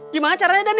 gimana caranya den ya